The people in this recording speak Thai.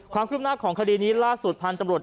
ความคิดพรุ่งหน้าของคดีนี้ล่าสุด